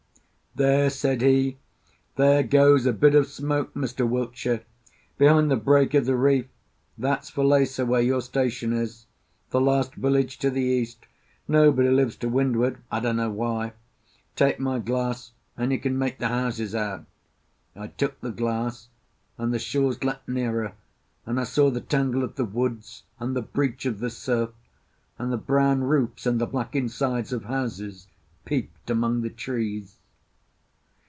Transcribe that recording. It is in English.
"There!" said he, "there goes a bit of smoke, Mr. Wiltshire, behind the break of the reef. That's Falesá, where your station is, the last village to the east; nobody lives to windward—I don't know why. Take my glass, and you can make the houses out." I took the glass; and the shores leaped nearer, and I saw the tangle of the woods and the breach of the surf, and the brown roofs and the black insides of houses peeped among the trees.